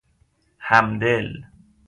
همدل